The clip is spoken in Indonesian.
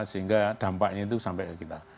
sehingga dampaknya itu sampai ke kita